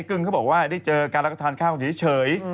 กึ้งเขาบอกว่าได้เจอการรักษาทานข้าวเฉย